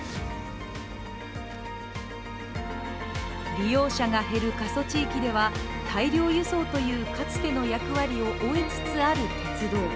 利用者が減る過疎地域では、大量輸送というかつての役割を終えつつある鉄道。